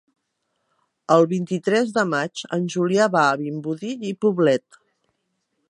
El vint-i-tres de maig en Julià va a Vimbodí i Poblet.